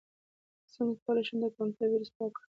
څنګه کولی شم د کمپیوټر ویروس پاک کړم